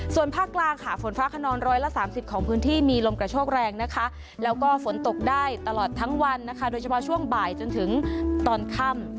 ส่วนภาคกลางค่ะฝนฟ้าขนองร้อยละ๓๐ของพื้นที่มีลมกระโชกแรงนะคะแล้วก็ฝนตกได้ตลอดทั้งวันนะคะโดยเฉพาะช่วงบ่ายจนถึงตอนค่ำ